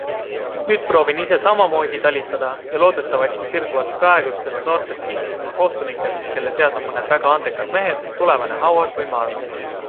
Nüüd proovin ise samamoodi talitada ja loodetavasti sirguvad praegustest noortest Inglismaa kohtunikest, kelle seas on mõned väga andekad mehed, tulevane Howard või Mark.